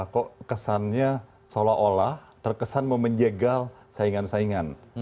kok kesannya seolah olah terkesan memenjegal saingan saingan